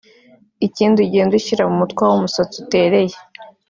ikindi ugende ushyira mu mutwe aho umusatsi utereye